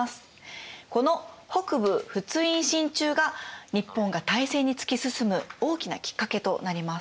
この北部仏印進駐が日本が大戦に突き進む大きなきっかけとなります。